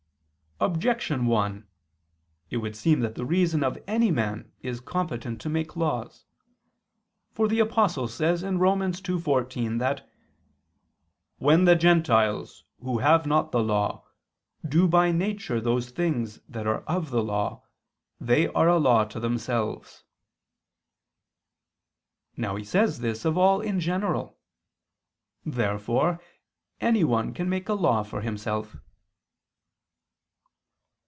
Objection 1: It would seem that the reason of any man is competent to make laws. For the Apostle says (Rom. 2:14) that "when the Gentiles, who have not the law, do by nature those things that are of the law ... they are a law to themselves." Now he says this of all in general. Therefore anyone can make a law for himself.